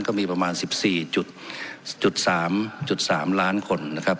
ก็มีประมาณสิบสี่จุดจุดสามจุดสามล้านคนนะครับ